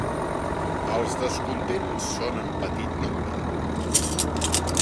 Els descontents són en petit nombre.